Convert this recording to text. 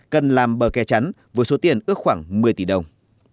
cần làm bờ kè chắn với số tiền ước khoảng một mươi tỷ đồng